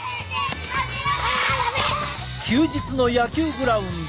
休日の野球グラウンド。